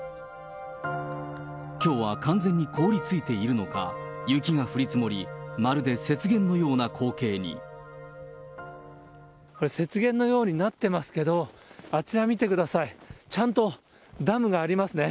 きょうは完全に凍りついているのか、雪が降り積もり、まるで雪原これ、雪原のようになってますけど、あちら見てください、ちゃんとダムがありますね。